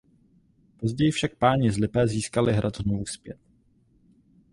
Později však páni z Lipé získali hrad znovu zpět.